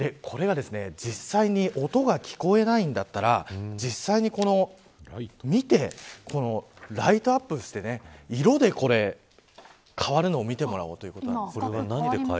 これが、実際に音が聞こえないんだったら実際に見て、ライトアップして色で変わるのを見てもらおうということなんです。